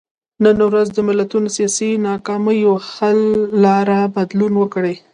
نن ورځ د ملتونو سیاسي ناکامیو حل لاره بدلون وکړي.